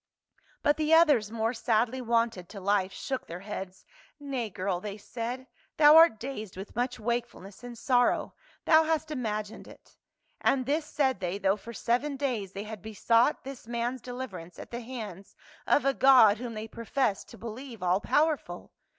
But the others, more sadly wonted to life, shook their heads. "Nay, girl," they said, "thou art dazed with much wakefulness and sorrow ; thou hast imagined it." And this said they, though for seven days they had besought this man's deliverance at the hands of a God whom they professed to believe all powerful.